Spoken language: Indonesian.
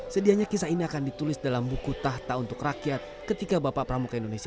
sedianya kisah ini akan ditulis dalam buku tahta untuk rakyat ketika bapak pramuka indonesia